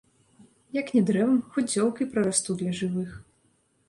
Як не дрэвам, хоць зёлкай прарасту для жывых.